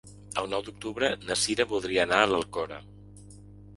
El nou d'octubre na Cira voldria anar a l'Alcora.